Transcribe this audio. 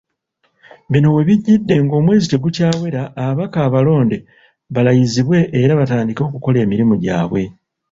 Bino we bijjidde ng'omwezi tegukyawera ababaka abalonde balayizibwe era batandika okukola emirimu gyabwe.